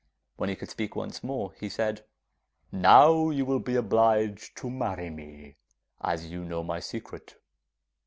When he could speak once more, he said, 'Now you will be obliged to marry me, as you know my secret.